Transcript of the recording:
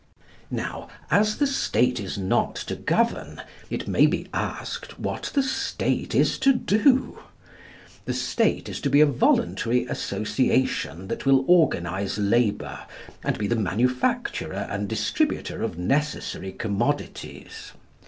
Now as the State is not to govern, it may be asked what the State is to do. The State is to be a voluntary association that will organise labour, and be the manufacturer and distributor of necessary commodities.